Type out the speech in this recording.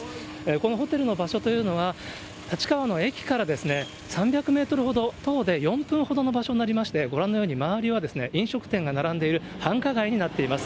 このホテルの場所というのは、立川の駅から３００メートルほど、徒歩で４分ほどの場所になりまして、ご覧のように、周りは飲食店が並んでいる繁華街になっています。